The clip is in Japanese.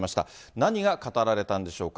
何が語られたんでしょうか。